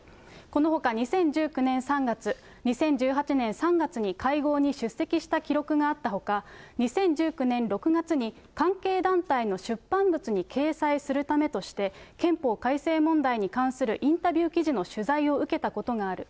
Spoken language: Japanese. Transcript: このほか２０１９年３月、２０１８年３月に会合に出席した記録があったほか、２０１９年６月に、関係団体の出版物に掲載するためとして、憲法改正問題に関するインタビュー記事の取材を受けたことがある。